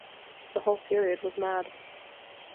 The whole period was mad!